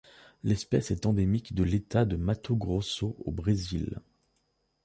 L'espèce est endémique de l'État de Mato Grosso au Brésil.